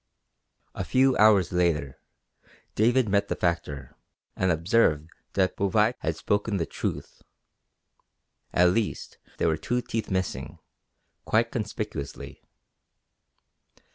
A few hours later David met the factor and observed that Bouvais had spoken the truth; at least there were two teeth missing, quite conspicuously.